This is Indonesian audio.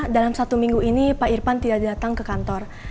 dalam satu minggu ini pak irfan tidak datang ke kantor